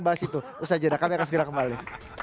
bahas itu usai jeda kami akan segera kembali